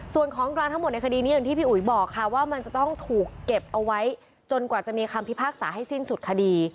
ส่วนของกลางทั้งหมดในคดีนี้อย่างที่พี่อุ๋ยบอกค่ะว่ามันจะต้องถูกเก็บเอาไว้จนกว่าจะมีคำพิพากษาให้สิ้นสุดคดี